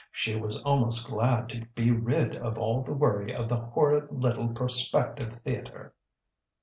She was almost glad to be rid of all the worry of the horrid little prospective theatre.